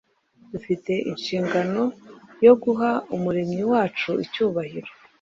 dufite inshingano yo guha Umuremyi wacu icyubahiro.